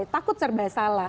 takut serba salah